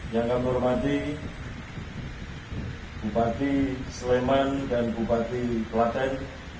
yang kami hormati bupati sleman dan bupati kelaten